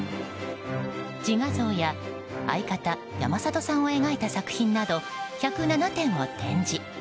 自画像や相方・山里さんを描いた作品など１０７点を展示。